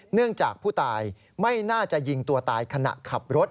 เนื่องจากผู้ตายไม่น่าจะยิงตัวตายขณะขับรถ